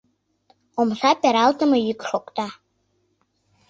Омса пералтыме йӱк шокта.